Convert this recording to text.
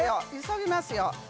急ぎますよ